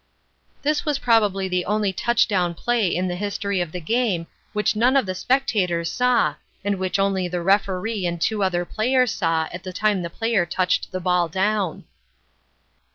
"This was probably the only touchdown play in the history of the game which none of the spectators saw and which only the Referee and two other players saw at the time the player touched the ball down."